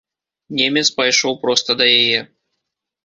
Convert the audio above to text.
Немец пайшоў проста да яе.